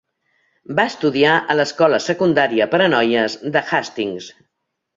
Va estudiar a l'escola secundària per a noies de Hastings.